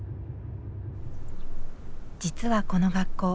実はこの学校